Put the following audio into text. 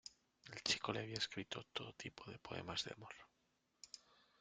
El chico le había escrito todo tipo de poemas de amor.